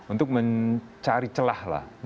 untuk mencari celah lah